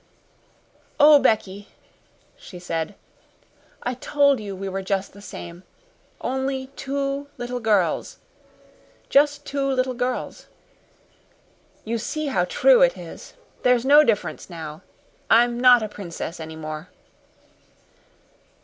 "Oh, Becky," she said. "I told you we were just the same only two little girls just two little girls. You see how true it is. There's no difference now. I'm not a princess anymore."